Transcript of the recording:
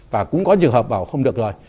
và cũng có trường hợp bảo không được rồi